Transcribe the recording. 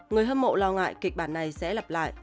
người hâm mộ lo ngại kịch bản này sẽ lặp lại